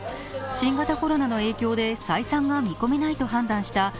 新型コロナの影響で採算が見込めないと判断した